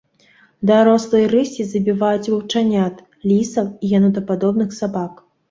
Дарослыя рысі забіваюць ваўчанят, лісаў і янотападобных сабак.